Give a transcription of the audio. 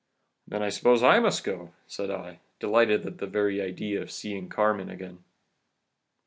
"'Then I suppose I must go,' said I, delighted at the very idea of seeing Carmen again.